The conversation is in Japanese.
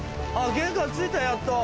玄関着いたやっと。